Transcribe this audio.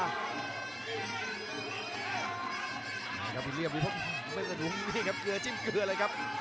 นะครับวิลเลียมนี่ครับเกลือจิ้มเกลือเลยครับ